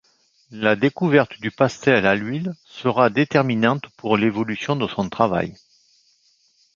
La découverte du pastel à l’huile sera déterminante pour l’évolution de son travail.